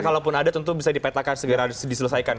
kalaupun ada tentu bisa dipetakan segera diselesaikan